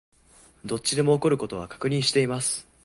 どっちでも起こる事は確認しています